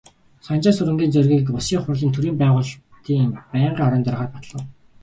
Санжаасүрэнгийн Зоригийг Улсын Их Хурлын төрийн байгуулалтын байнгын хорооны даргаар батлав.